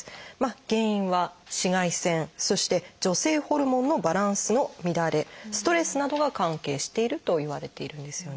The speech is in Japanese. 原因は紫外線そして女性ホルモンのバランスの乱れストレスなどが関係しているといわれているんですよね。